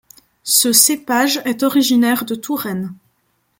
Ce cépage est originaire de Touraine.